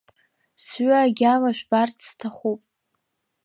Сҩы агьама жәбарц сҭахуп!